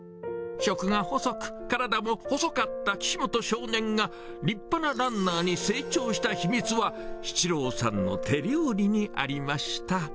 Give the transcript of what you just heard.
食が細く、体も細かった岸本少年が、立派なランナーに成長した秘密は、七郎さんの手料理にありました。